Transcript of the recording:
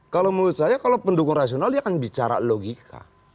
kalau menurut saya kalau pendukung rasional dia akan bicara logika